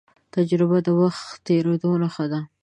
تجربه د وخت د تېرېدو نښه ده.